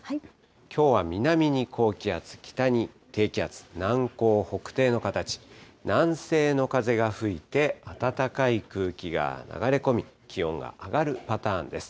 きょうは南に高気圧、北に低気圧、南高北低の暖かい南西の風が吹いて、暖かい空気が流れ込み、気温が上がるパターンです。